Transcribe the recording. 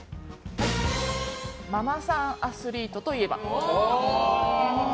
ママさんアスリートといえば？